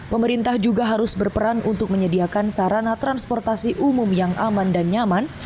pemerintah juga harus berperan untuk menyediakan sarana transportasi umum yang aman dan nyaman